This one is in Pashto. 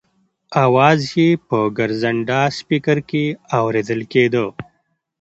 اواز یې په ګرځنده سپېکر کې اورېدل کېده.